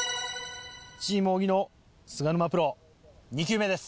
チーム小木の菅沼プロ２球目です。